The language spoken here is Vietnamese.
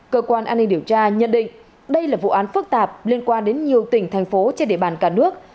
cơ quan an ninh điều tra nhận định đây là vụ án phức tạp liên quan đến nhiều tỉnh thành phố trên địa bàn cả nước